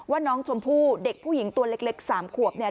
ว่าน้องชมพู่เด็กผู้หญิงตัวเล็ก๓ขวบเนี่ย